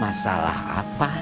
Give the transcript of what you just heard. masalah apa idan